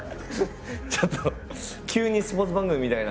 ちょっと急にスポーツ番組みたいな。